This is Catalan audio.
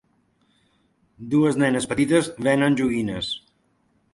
Dues nenes petites venen joguines.